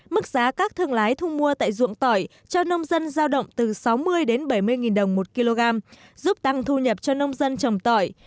mức giá các thương lái thu mua tại ruộng tỏi cho nông dân giao động từ sáu mươi đến bảy mươi đồng một kg giúp tăng thu nhập cho nông dân trồng tỏi